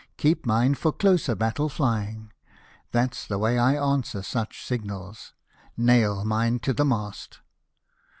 Keep mine for closer battle flying ! That's the way I answer such signals. Nail mine to the mast